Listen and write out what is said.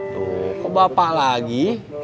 tuh kok bapak lagi